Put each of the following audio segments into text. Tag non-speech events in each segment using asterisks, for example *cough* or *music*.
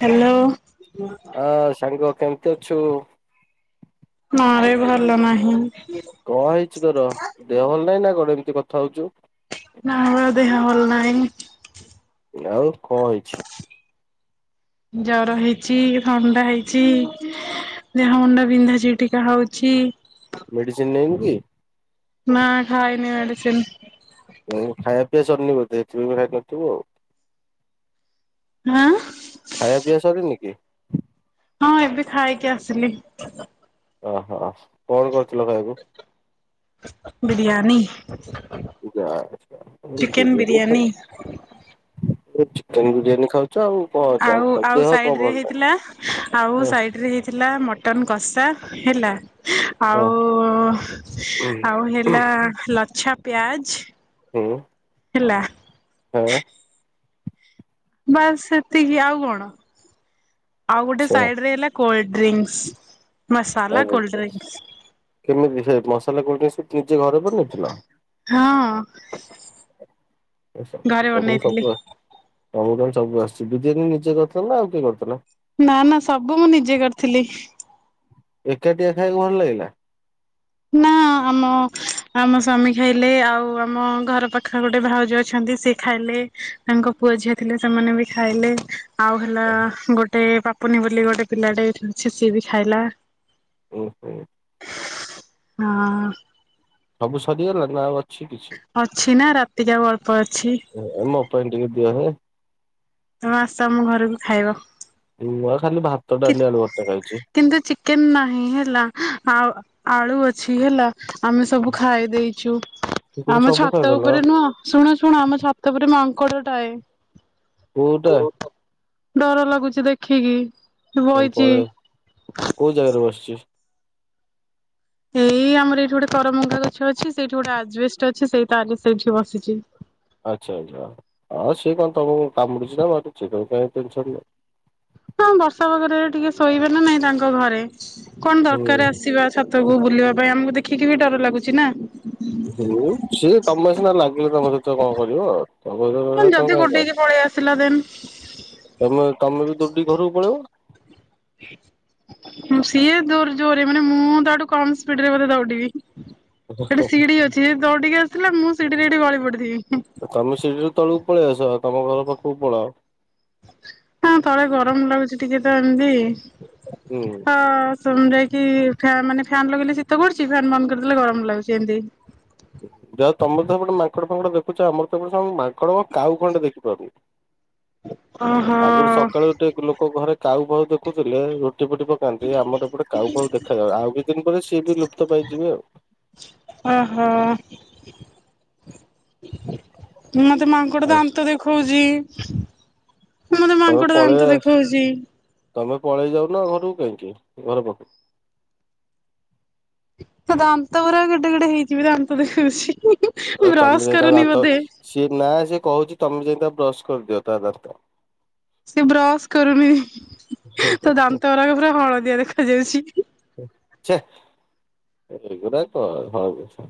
Hello. ହଁ ସାଙ୍ଗ କେମତି ଅଛୁ? ନାଁ ରେ ଭଲ ନାହିଁ। କଣ ହେଇଚି ତର ଦେହ ଭଲ ନାହିଁ ନା କଣ ଏମିତି କଥା ହଉଚୁ? ନା ବା ଦେହ ଭଲ ନାହିଁ। ଆଉ କଣ ହେଇଚି? ଜର ହେଇଚି ଥଣ୍ଡା ହେଇଚି ଦେହ ମୁଣ୍ଡ ବିନ୍ଧା ଛିଟିକା ହଉଚି। ମେଡ଼ିସିନ୍ ନେଇନୁକି? ନା ଖାଇନି ମେଡ଼ିସିନ୍। *unintelligible* ଖାଇବା ପିଇବା ସରିନି ବୋଧେ ସେଥିପାଇଁ ହେଳା କରିଥିବୁ ଆଉ। ହାଁ ଖାଇବା ପିଇବା ସରିନି କି? ହଁ ଏବେ ଖାଇକି ଆସିଲି। ଅହ କଣ କରିଥିଲ ବିରିୟାନୀ। ଖାଇବାକୁୁ? ଚିକେନ ବିରିୟାନୀ *unintelligible* ଏ ଚିକେନ୍ ବିରିୟାନୀ ଖାଉ ଚ ଆଉ କ ଆଉ ଆଉ ସାଇଡ୍ ରେ ହେଇଥିଲା ଆଉ ହଁ ସାଇଡ୍ ରେ ହେଇଥିଲା ମ ମଟନ୍ କଷା ହେଲା ହଁ ଆଉ ହୁଁ ଆଉ ହେଲା ଲଚ୍ଛା ପ୍ୟାଜ୍ ହୁଁ। ହେଲା। ହୁଁ। ବାସ୍ ସେତିକି ଆଉ କଣ ଆଉ ଗୋଟେ ଆଚ୍ଛା ସାଇଡ୍ ରେ ହେଲା କୋଲଡ୍ ଡ୍ରିଙ୍କ୍ସ। ଆରେଡିକ୍ସ କେମିତି ସେ ମସଲା କୋଲଡ଼ ଡ୍ରିଙ୍କ୍ସ ନିଜେ ଘରେ ବନେଇଥିଲ? ହଁ ଏ ସ ଘରେ ତମୁକୁ ବନେଇଥିଲି। ସବୁ ଆ ତମୁକୁ ତାହେଲେ ସବୁ ଆସିଛି। ବିରିଆନି ନିଜେ କରିଥିଲ ନା ଆଉ କିଏ କରିଥିଲା? ନା ନା ସବୁ ମୁଁ ନିଜେ କରିଥିଲି। ଏକାଟିିଆ ଖାଇବାକୁ ଭଲ ଲାଗିଲା? ନା *inaudible* ଆମ ଆମ ସ୍ୱାମୀ ଖାଇଲେ ଆଉ ଆମ ଘର ପାଖରେ ଗୋଟେ ଭାଉଜ ଅଛନ୍ତି ସେ ଖାଇଲେ ତାଙ୍କ ପୁଅ ଝିଅ ଥିଲେ ସେମାନେ ବି ଖାଇଲେ। ଆଉ ହେଲା ଗୋଟେ ପାପୁନି ବୋଲି ଗୋଟେ ପିଲାଟେ ଏଇଠି ଅଛି ସିଏ ବି ଖାଇଲା। ଉଁ ହୁଁ ଅଁ ସବୁ ସରିଗଲା ନା ଆଉ ଅଛି କିଛି? ଅଛି ନା ରାତିକି ଆଉ ଅଳ୍ପ ଅଛି। ଏ ମୋ ପାଇଁ ଟିକେ ଦିଅ ହେ। ହଁ ଆସ ଆମ ଘରୁକୁ ଖାଇବ। ମୁଁ ବା ଖାଲି ଭାତ, କି ଡାଲି, ଆଳୁ ଭର୍ତ୍ତା ଖାଇଚି। କିନ୍ତୁ ଚିକେନ୍ ନାହିଁ ହେଲା ଆଉ ଆଳୁ ଅଛି ହେଲା। ଆମେ ସବୁ ଖାଇ ଦେଇଚୁ। ଚିକେନ ଆମ ସବୁ ଛାତ ଖାଇଦେଲ ଉପରେ ନୁହଁ ଶୁଣ ଶୁଣ ଆମ ଛାତଉପରେ ମାଙ୍କଡ ଟାଏ। କୋଉଟା ଡର ଲାଗୁଚି ଦେଖିକି। *unintelligible* ବଇଛି ପଳେ କୋଉ ଜାଗାରେ ବସଚି? ଏଇ ଆମର ଏଇଠି ଗୋଟେ କରମଙ୍ଗା ଗଛ ଅଛି ସେଇଠି ଗୋଟେ ଆଜବେଷ୍ଟ ଅଛି ସେଇ ତା ଆଗେ ସେଇଠି ବସିଚି। ଆଚ୍ଛା ଆଚ୍ଛା ଅ ସିଏ କଣ ତମୁକୁ କାମୁଡୁଚି ନା ମାରୁଚି ତମେ କାଇଁ ଟେନସନ୍ ହଁ ବର୍ଷା ପାଗରେ ଟିକେ ଶୋଇବେ ନା ନାଇଁ ତାଙ୍କ ଘରେ। କଣ ହୁଁ ଦରକାର ଆସିବା ଛାତକୁ ବୁଲିବା ପାଇଁ ଆମକୁ ଦେଖିକି ବି ଡର ଲାଗୁଛି ନା। ହୁଁ ସିଏ ଯେ ତମେ ସିନା ଲାଗିଲେ ତମ ସହିତ କଣ କରିବ ତମ ସହିତ ଯଦି ତମେ। *unintelligible* ଗୋଡେଇକି ପଳେଇ ଆସିଲା ଦେନ ତମେ ତମେ ବି ଦୌଡିକି ଘରକୁ ପଳେଇବ। ଫାଙ୍କା ଅଡ଼ିଓ। ସିଏ ଜୋର ଜୋରେ ମାନେ ମୁଁ ତାଠୁ କମ ସ୍ପିଡ ରେ ବୋଧେ ଦୌଡ଼ିବି। ସେଠି ସିଡି ଅଛି ସେ ଦୌଡିକି ଆସିଲା ମୁଁ ସିଡିରେ ଏଠି ଗଳି ପଡିିଥିବି। ତମେ ସିଡିରୁ ତଳକୁ ପଳେଇଆସ ତମ ଘର ପାଖକୁ ପଳାଅ। ନା ତଳେ ଗରମ ଲାଗୁଚି ଟିକେ ତ ଏମତି। ହୁଁ। ହଁ ଯାଇକି ମାନେ ଫ୍ୟାନ୍ ଲଗେଇଲେ ଶୀତ କରୁଚି ଫ୍ୟାନ୍ ବନ୍ଦ କରିଦେଲେ ଗରମ ଲାଗୁଛି ଏମତି। ଯହା ହଉ ତମର ହେପଟେ ମାଙ୍କଡ ଫାଙ୍କଡ ଦେଖୁଛ ଆମର ତ ଏପଟେ ଗୋଟେ ମାଙ୍କଡ କଣ କାଉ ଖଣ୍ଡେ ଦେଖିପାରୁନି। ଓହୋ ଆଗରୁ ସକାଳୁ ଉଠି ଲୋକ ଘରେ କାଉ ଫାଉ ଦେଖୁଥିଲେ ରୁଟି ଫୁଟି ପକ ପକାନ୍ତି ଆମର ଏ ପଟେ କାଉ ଫାଉ ଦେଖାଯାଆନ୍ତି ଆଉ କିଛି ଦିନ ପରେ ସିଏ ବି ଲୁପ୍ତ ପାଇଯିବେ ଆଉ। ଅହ ମୋତେ ମାଙ୍କ ଗୋଟେ ଆଉ ଦାନ୍ତ ଦେଖଉଜି ମତେ ତମେ ମାଙ୍କଡ ଦାନ୍ତ ପଳେଇ ଦେଖଉଜି। ତମେ ପଳେଇ ଯାଉନ ଘରକୁ କାହିଁକି ଘର ପାଖକୁ। ତା ଦାନ୍ତ ଗୁରା କେଡେ କେଡେ ହେଇଯିବ ବେ ଦାନ୍ତ ଦେଖଉଚି ତମେ ବ୍ରସ ଯାଇ ତା କରୁନି ଦାନ୍ତ ବୋଧେ। ସିଏ ନା ସିଏ କହୁଛି ତମେ ଯାଇ ତା ବ୍ରଶ କରିଦିଅ ତା ଦାନ୍ତ। ସେ ବ୍ରଶ କରୁନି ତା ଦାନ୍ତ ଗୁରା ପୁରା ହଳଦିଆ ଦେଖାଯାଉଚି। ଛେ! ଏଗୁରା କଣ ଭାବୁଛୁ?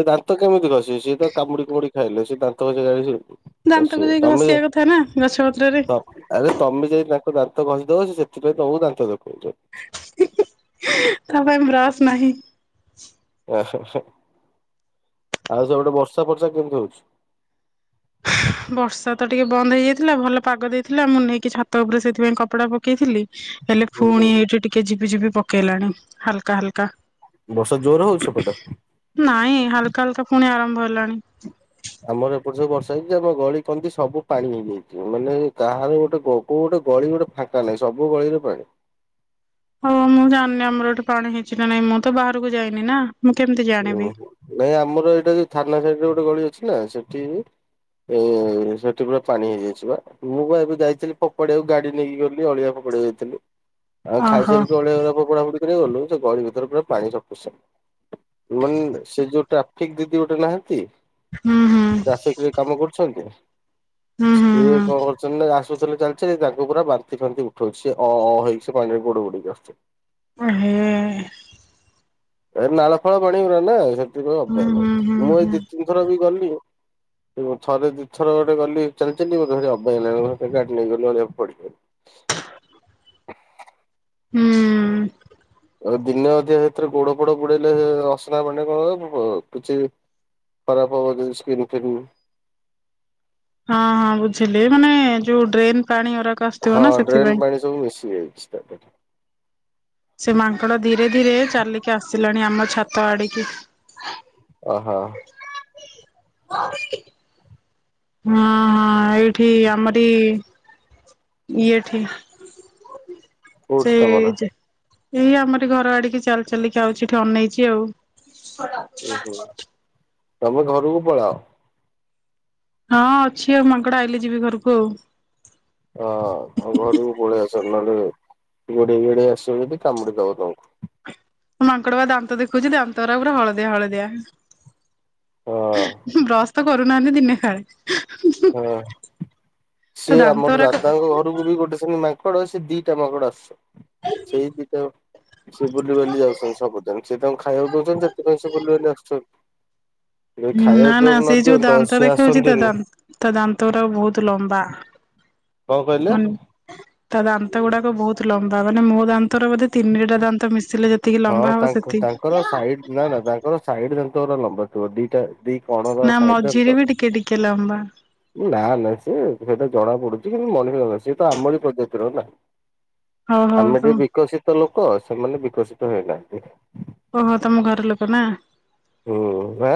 ସେ ଦାନ୍ତ କେମିତି ଘଷିବେ ସିଏ ତ କାମୁଡି କୁମୁଡି ଖାଇଲେ ସେ ଦାନ୍ତ ଘଷିବା ଜାଣିଚନ୍ତି। ଦାନ୍ତକୁ ଯାଇ ଘସିଆ କଥା ନା ଗଛ ପତ୍ରରେ। ତ ଆରେ ତମେ ଯାଇ ତାଙ୍କ ଦାନ୍ତ ଘଷି ଦବ। ସେ ସେଥିପାଇଁ ତମୁକୁ ଦାନ୍ତ ଦେଖଉଚ ହିଁ ହିଁ ହେ! ତା ପାଇଁ ବ୍ରସ୍ ନାହିଁ। ଆଁ ହାଁ ହାଁ! ଆଉ ସେପଟେ ବର୍ଷା ଫର୍ଷା କେମିତି ହଉଛି? ବର୍ଷା ତ ଟିକେ ବନ୍ଦ ହେଇଯାଇଥିଲା। ଭଲ ପାଗ ଦେଇଥିଲା ମୁଁ ନେଇକି ଛାତ ଉପରେ ସେଇଥିପାଇଁ କପଡା ପକେଇଥିଲି। ହେଲେ ହୁଁ ହୁଁ ଫୁଣି ଏଇଠି ଟିକେ ଝିପି ଝିପି ପକେଇଲାଣି ହାଲକା ହାଲକା। ବର୍ଷା ଜୋର ହଉଚି ସେପଟେ। ନାଇଁ ହାଲକା ହାଲକା ଫୁଣି ଆରମ୍ଭ ହେଲାଣି। ଆମର ଏପଟେ ସବୁ ବର୍ଷା ହେଇଛି ଆମ ଗଳି କନ୍ଦି ସବୁ ପାଣି ହେଇଯାଇଛି। ମାନେ କାହାରଵି ଗୋଟେ ଗ କୋଉ ଗୋଟେ ଗଳି ଗୋଟେ ଫାଙ୍କା ନାହିଁ ସବୁ ଗଳିରେ ପାଣି। ହଁ ମୁଁ ଜାନି ଆମର ଏଠି ପାଣି ହେଇଛି ନା ନାଇଁ ମୁଁ ତ ବାହାରକୁ ଯାଇନି ନା। ମୁଁ କେମତି ଜା ଓହୋ! ନାଇଁ ଆମର ଏଇଟା ଯୋଉ ଥାନା ସାଇଟରେ ଗୋଟେ ଗଳି ଅଛି ନା ସେଠି ଏ ଏ ସେଠି ପୁରା ପାଣି ହେଇଯାଇଛି ବା ମୁଁ ପା ଏବେ ଯାଇଥିଲି ଫୋପାଡିଆକୁ ଗାଡି ନେଇକି ଗଲି ଅଳିଆ ଫୋ ପାଡ଼ିଆକୁ ଯାଇଥିଲି। ଆଉ ଓହୋ ଖାଇସାରିକି ଅଳିଆ ଗୁରା ଫୋପଡ଼ା ଫୁପୁଡି କରିଆକୁ ଗଲୁ ସେ ଗଳି ଭିତରେ ପୁରା ପାଣି ସପିସେଣ୍ଟ। ମାନ ସେ ଯୋଉ ଟ୍ରାଫିକ ଦିଦି ଗୋଟେ ନାହାନ୍ତି। ଉଁ ହୁଁ। ଟ୍ରାଫିକ ରେ କାମ କରୁଚନ୍ତି। ହୁଁ ହୁଁ ସିଏ କଁ କରୁଚନ୍ତି ନା ରା ସ୍ତାରେ ଚାଲି ଚାଲି ତାଙ୍କୁ ପୁରା ବାନ୍ତି ଫାନ୍ତି ଉଠଉଛି। ସେ ଅ ଅ ହେଇକି ସେ ପାଣିରେ ଗୋଡ ବୁଡେଇକି ଆସୁଚନ୍ତି। ଓଁ ହେଁ! ଏ ନାଳ ଫାଳ ପାଣିି ଗୁରା ନା ସେଥିପାଇଁ ହୁଁ ଅବାଗ୍ୟା ହୁଁ ହୁଁ ଲାଗୁଛି। ମୁଁ ଏଇ ହୁଁ ଦି ତିନ ଥର ବି ଗଲିଣି। ମୁଁ ଥରେ ଦି ଥର ଗୋଟେ ଗଲି ଚାଲି ଚାଲି ମତେ ଭାରି ଅବାଗିଆ ଲାଗିଲା ମୁଁ ଫେରେ ଗାଡି ନେଇ ଗଲି ଅଳିଆକୁ ଫୋପାଡ଼ିକି ଆଇଲି। ହୁଁ। ଆଉ ଦିନେ ଅଧିଆ ହେଥିରେ ଗୋଡ ଫୋଡ ବୁଡେଇଲେ ଅସ୍ନା ପାଣିରେ କଣ ହବ ପୁଣି ଅ ପଛେ ଖରାପ ହବ ଯଦି ସ୍କିନ୍ ଫିନ୍ ହଁ ହଁ ବୁଝିଲି ମାନେ ଯୋଉ ଡ୍ରେନ୍ ପାଣି ଅରାକ ଆସୁଥିବ ହଁ ନା ଡ୍ରେନ୍ ସେଥିପାଇଁ। ପାଣି ସବୁ ମିଶିଯାଇଛି ତା ଧୀଏରେ। ସେ ମାଙ୍କଡ଼ ଧୀରେ ଧୀରେ ଚାଲିକି ଆସିଲାଣି ଆମ ଛାତ ଆଡିକି। ଅ ହ! ହଁ ହଁ ଏଇଠି ଆମରି ଇଏଠି ସେ କୋଉଠି ତମର? ଯେ ଏଇ ଆମରି ଘର ଆଡିକି ଚାଲି ଚାଲିକି ଆଉଛି ଏଠି ଅନେଇଚି ଆଉ। ଓ ହୋ! ତମେ ଘରୁକୁ ପଳାଅ। ହଁ ଅଛି ଆଉ ମାଙ୍କଡ ଆଇଲେ ଯିବି ଘରୁକୁ ଆଉ। ହଅଁ ଘରୁକୁ ପଳେଇ ଆସ ନହେଲେ ଗୋଡେଇ ଗାଡେଇ ଆସିବ ଯଦି କାମୁଡି ଦବ ତମୁକୁ। ହନୁ ମାଙ୍କଡ ବା ଦାନ୍ତ ଦେଖଉଛି ଦାନ୍ତ ଗୁରା ପୁରା ହଳଦିଆ ହଳଦିଆ। ହଁ ହୁଁ ବ୍ରସ ତ କରୁନାହାଁନ୍ତି ଦିନେ କାଳେ। ହଁ ତା ସିଏ ଦାନ୍ତ ଆମର ଗୁରାକ ଦାଦାଙ୍କ ଘରୁକୁ ବି ଗୋଟେ ସେମିତି ମା ଙ୍କଡ ସେ ଦିଟା ମାଙ୍କଡ ଆସେ। ସେଇ ଦିଟା ସିଏ ବୁଲିିବାଲି ଯାଉଚନ୍ତି ସବୁଦିନ। ସିଏ ତାଙ୍କୁ ଖାଇଆକୁ ଦଉଚନ୍ତି ସେଥିପାଇଁ ସିଏ ବୁଲି ବାଲି ଆସୁଚନ୍ତି। ହୁଁ ନା ନା ସେ ଯୋଉ ଦିଅନ୍ତ ଦାନ୍ତ ସିଏ ଦେଖଉଚି ତା ଆସନ୍ତିନି। ଦାନ୍ତ ତା ଦାନ୍ତ ଗୁରାକ ବହୁତ ଲମ୍ବା କଣ କହିଲେ ମାନ ତା ଦାନ୍ତ ଗୁଡାକ ବହୁତ ଲମ୍ବା ମାନେ ମୋ ଦାନ୍ତର ବୋଧେ ତିନିଟା ଦାନ୍ତ ମିଶିଲେ ଯେ ତିକି ହଁ ଲମ୍ବା ହବ ତାଙ୍କ ସେତିକି। ତାଙ୍କର ସାଇଡ୍ ନା ନା ତାଙ୍କର ସାଇଡ୍ ଦାନ୍ତ ଗୁରା ଲମ୍ବା ଥିବ ଦିଟା ଦି କଣର ସାଇଡ୍ ଦାନ୍ତ କି ଲମ୍ବା। ନା ନା ସିଏ ସେଟା ଜଣା ପଡୁଚି କିନ୍ତୁ ମଣିଷଙ୍କର ସିଏ ତ ଆମରି ପ୍ରଜାତିର ନାଁ। ହଉ ହଉ ଆମେ ତ ଟିକେ ବିକଶିତ ଲୋକ ସେମାନେ ବିକଶିତ ହେଇ ନାହାଁନ୍ତି। ଓହୋ! ତମ ଘର ଲୋକ ନା। ହୁଁ ବା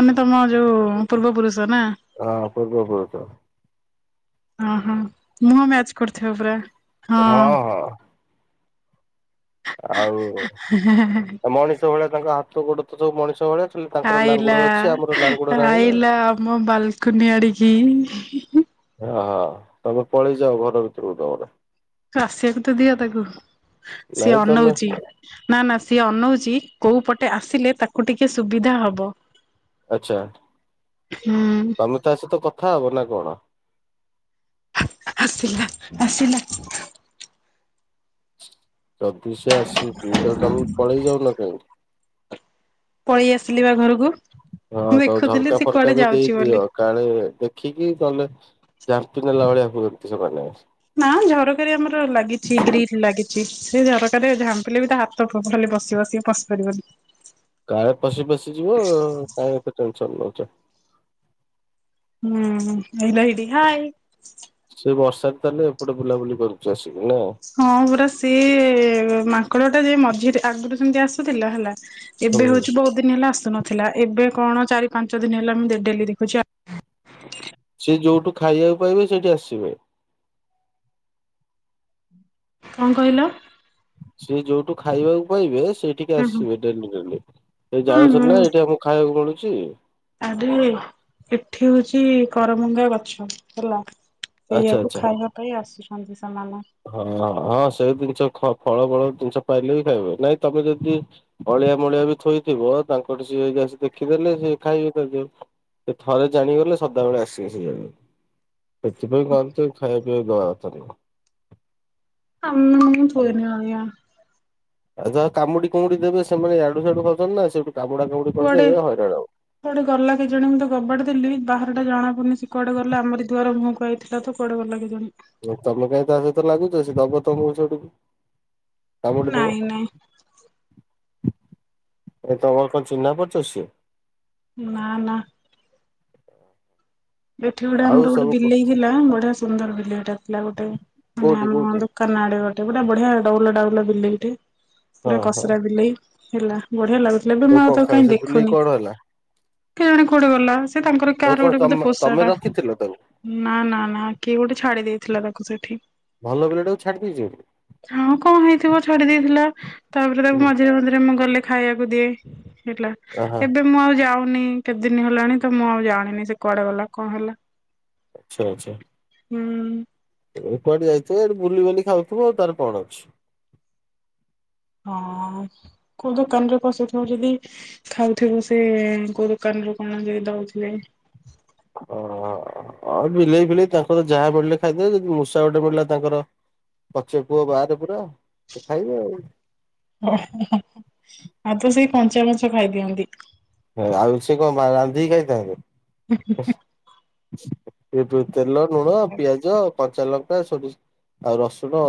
ମାନେ ତମର ଯୋଉ ପୂର୍ବ ପୁରୁଷ ନା। ହଁ ପୂର୍ବ ପୁରୁଷ ଓହୋ ମୁହଁ ମ୍ୟାଚ୍ କରୁଥିବ ପୁରା। ହଁ ହଁ। ଆଉ ମଣିଷ ଭଳିଆ ତାଙ୍କ ହାତ ଗୋଡ଼ ତ ସବୁ ମଣିଷ ଭଳିଆ ଖାଲି ତାଙ୍କର ଆଇଲା ଲାଙ୍ଗୁଡ ଅଛି ଆମର ଲାଙ୍ଗୁଡ ନାହିଁ ଆଉ ଆଇଲା ଆମ ବାଲକୁନି ଆଡିକି। ହଁ ହଁ ତମେ ପଳେଇ ଯାଅ ଘର ଭିତରକୁ ତମର। ଆସିବାକୁ ତ ଦିଅ ତାକୁ, ସିଏ ନାଇଁ ତମେ ଅନଉଚି। ନା ନା ସିଏ ଅନଉଚି କୋଉ ପଟେ ଆସିଲେ ତାକୁ ଟିକେ ସୁବିଧା ହବ। ଆଚ୍ଛା ହୁଁ ତମେ ତା ସହିତ କଥା ହବ ନା କଣ? ଆସିଲା ଆସିଲା ଯଦି ସେ ଆସୁଚି ତାଲେ ତମେ ପଳେଇ ଯାଉନା କାହିଁକି। ପଳେଇ ଆସିଲି ବା ଘରକୁ। ହଁ ମୁଁ ତ ଦେଖୁଥିଲି ଝର୍କା ସେ ଫରକା କୁଆଡେ ବି ଯାଉଛି ଦେଇଦିଅ। ବୋଲି। କାଳେ ଦେଖିକି ନହେଲେ ଜାପି ନେଲା ଭଳିଆ ହୁଅନ୍ତି ସେମାନେ। ନା ଝରକାରେ ଆମର ଲାଗିଚି ଗ୍ରୀଲ୍। ଲାଗିଛି ସେ ଝରକାରେ ଝାମ୍ପିଲେ ବି ତା ହାତ ଟୋଟାଲି ପସିବ ସିଏ ପଶି ପାରିବନି। କାଳେ ପଶି ପଶି ଯିବ କାଇ ଏତେ ଟେନସନ୍ ନଉଚ। ହୁଁ ହେଇଲ ହେଇଟି ହାଇ। ସେ ବର୍ଷା ତାହଲେ ଏପଟେ ବୁଲାବୁଲି କରୁଚି ଆସିକି ନା। ହଁ ପରା ସିଏ ମାଙ୍କଡ଼ ଟା ଯ ମଝିରେ ଆଗରୁ ସେମତି ଆସୁଥିଲା ହେଲା ଏବେ ହୁଁ। ହଉଚି ବହୁତୁ ଦିନ ହେଲା ଆସୁନଥିଲା ଏବେ କଣ ଚାରି ପାଞ୍ଚ ଦିନ ହେଲା ମୁଁ ଡେଲି ଦେଖୁଚି ଆ ସିଏ ଯୋଉଠୁ ଖାଇବାକୁ ପାଇବେ ସେଠି ଆସିବେ। କଣ କହିଲ? ସିଏ ଯୋଉଠୁ ଖାଇବାକୁ ପାଇବେ ସେଇଠିକି ହୁଁ ହୁଁ ଆସିବେ ଡେଲି ଡେଲି ସେ ହୁଁ ଜାଣୁଛନ୍ତି ନା ହୁଁ ଏଇଠି ଆମକୁ ଖାଇବାକୁ ମିଳୁଚି। ଆରେ ଏଠି ହଉଚି କରମଙ୍ଗା ଗଛ ହେଲା ଆଚ୍ଛା ସେଇଆକୁ ଆଚ୍ଛା। ଖାଇବା ପାଇଁ ଆସୁଛନ୍ତି ସେମାନେ। ହଁ ହଁ ସେଇ ଜିନିଷ ଖଅ ଫଳ ଫଳ ଜିନିଷ ପାଇଲେ ବି ଖାଇବେ ନାଇଁ ତମେ ଯଦି ଅଳିଆ ମଳିଆ ବି ଥୋଇଥିବ ତାଙ୍କର ସିଏ ଦେଖିଦେଲେ ସିଏ ଖାଇବେ ତଯୋଉ ସେ ଥରେ ଜାଣିଗଲେ ସଦାବେଳେ ଆସିବେ ସେଇ ଜାଣି ସେଥିପାଇଁ କହନ୍ତି ଖାଇବା ପିଇବାକୁ ଦବା କଥା ନୁହେଁ। *unintelligible* ଆଉ ଯାହା କାମୁଡ଼ି କୁମୁଡ଼ି ଦେବେ ସେମାନେ ଇଆଡ଼ୁ ସିଆଡ଼ୁ ଖାଉଛନ୍ତି ନା ସେଠୁ କାମୁଡ଼ା କାମୁଡି କରିଦବେ ହଇରାଣ ହବ। କୁଆଡ଼େ ଗଲା କେଜାଣି ମୁଁ ତ କବାଟ ଦେଲିି ବାହାରଟା ଜଣା ପଡୁନି ସେ କୁଆଡ଼େ ଗଲା ଆମରି ଦୂଆର ମୁହଁକୁ ଆଇଥିଲା। ଥିଲା ତ କୁଆଡ଼େ ଗଲା କେଜାଣି? ତମେ କାଇହିଁ ତା ସହିତ ଲାଗୁଚ ସେ ଦବ ତମକୁ ସେଠକୁ କାମୁଡ଼ି ନାଇଁ ଦବ। ନାଇଁ ଏ ତମର କଣ ଚିହ୍ନା ପରିଚ ସେ। ନା ନା। ଏଠି ଗୋଟେ ଆଉ ଆମର ଗୋଟେ ସବୁ ବିଲେଇ ଥିଲା ବଢିଆ ସୁନ୍ଦର ବିଲେଇଟା ଥିଲା ଗୋଟେ ମାନେ କୋଉଠି ଆମ କୋଉଠି ଦୋକାନା ଆଡ଼େ ଗୋଟେ ପୁରା ବଢିଆ ଡୋଉଲ ଡାଉଲ ବିଲେଇଟେ ହଁ ପୁରା ହଁ କସରା ବିଲେଇ। ହେଲା ବଢିଆ ଲାଗୁ ଏବେ ମୁଁ ଆଉ କଣ ତାକୁ ଖା କାହିଁ ସେ ବିଲେଇ ଦେଖୁନି କଣ ହେଲା? କେଜାଣି କୁଆଡ଼େ ଗଲା ସେ ତାଙ୍କର କାର ତାକୁ କଣ ଗୋଟେ ତମ ବୋଧେ ତମେ ସାଟା ରଖିଥିଲ ତାକୁ ନା ନା ନା କିଏ ଗୋଟେ ଛାଡି ଦେଇଥିଲା ତାକୁ ସେଠି। ଭଲ ବିଲେଇଟାକୁ ଛାଡ଼ିଦେଇଚି। ହଁ କଣ ହେଇଥିବ ଛାଡ଼ି ଦେଇେଇଥିଲା ତାପରେ ତାକୁ ମଝିରେ ମଝିରେ ମୁଁ ଗଲେ ଖାଇବାକୁ ଦିଏ ହେଲା ଆହା ଏବେ ମୁଁ ଆଉ ଯାଉନି କେତେ ଦିନ ହେଲାଣି ତ ମୁଁ ଆଉ ଜାଣିନି ସେ କୁଆଡେ ଗଲା କଣ ହେଲା। ଆଛା ଆଚ୍ଛା। ହୁଁ। ଏ କୁଆଡ଼େ ଯାଇଥିବେ ଏଠି ବୁଲି ବାଲି ଖାଉଥିବ ଆଉ ତାର କଣ ଅଛି। ହଁ କୋଉ ଦୋକାନରେ ପସିଥିବ ଯଦି ଠାଉଥିବୁ ସେ କୋଉ ଦୋକାନରୁ କଣ ଯଦି ଦଉଥିବେ। ଓହଅ ଅ ବିଲେଇ ଫିଲେଇ ତାଙ୍କର ଯାହା ପଡ଼ିଲେ ଖାଇଦେବେ ଯଦି ମୂଷା ଗୋଟେ ପଡ଼ିଲା ତାଙ୍କର ପଛେ ପୁଅ ବାର ପୁରା ଏ ଖାଇବେ ଆଉ। *unintelligible* ଆଧୋଉ ସେଇ କଞ୍ଚା ଗଛ ଖାଇଦିଅନ୍ତି। ଆଉ ସେ କଣ ବା ରାନ୍ଧିକି ଖାଇଥାନ୍ତେ *unintelligible* ଏବେ ତେଲ, ଲୁଣ, ପିଆଜ, କଞ୍ଚାଲଙ୍କା ସବୁସି ଆଉ ରସୁଣ ଅଦା